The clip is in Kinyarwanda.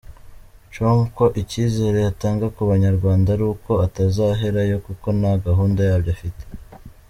com ko icyizere atanga ku banyarwanda ari uko atazaherayo kuko nta gahunda yabyo afite.